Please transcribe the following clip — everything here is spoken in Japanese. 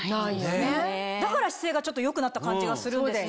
だから姿勢がちょっと良くなった感じがするんですね。